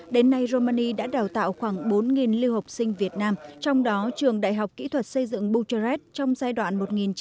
đến nay romani đã đào tạo khoảng bốn lưu học sinh việt nam trong đó trường đại học kỹ thuật xây dựng bucharest trong giai đoạn một nghìn chín trăm bảy mươi một nghìn chín trăm tám mươi